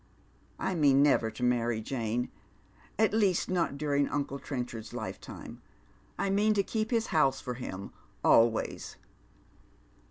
" 1 mean never to marry, Jane ; at least, not during unci* Trenchard's lifetime. I mean to keep his house for him, always."